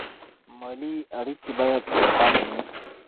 مالي اړیکې باید روښانه وي.